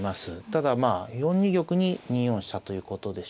ただ４二玉に２四飛車ということでしょうか。